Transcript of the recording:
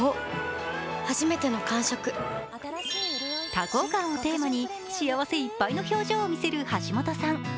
多幸感をテーマに幸せいっぱいの表情を見せる橋本さん。